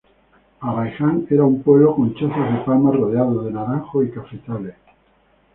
Arraiján era un pueblo con chozas de palma, rodeado de naranjos y cafetales.